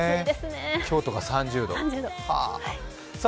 京都が３０度、はぁ。